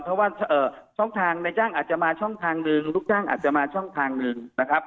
เพราะว่าช่องทางในจ้างอาจจะมาช่องทางหนึ่งลูกจ้างอาจจะมาช่องทางหนึ่งนะครับ